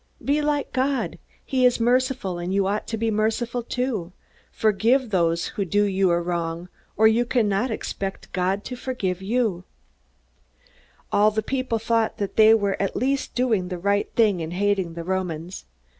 Be like God. He is merciful, and you ought to be merciful too. Forgive those who do you a wrong, or you cannot expect God to forgive you." All the people thought that they were at least doing the right thing in hating the Romans.